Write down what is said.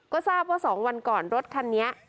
ก็ทราบว่า๒วันก่อนรถคันนี้